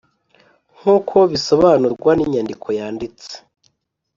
nk’uko bisobanurwa n’inyandiko yanditse